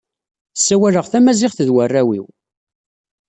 Ssawaleɣ tamaziɣt d warraw-iw.